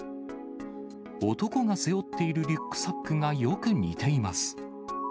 男が背負っているリュックサックがよく似ています。